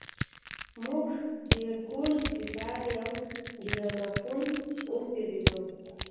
موږ د کور لپاره يو ګرامافون وپېرود.